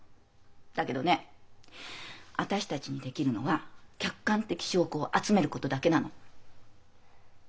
だけどね私たちにできるのは客観的証拠を集めることだけなの。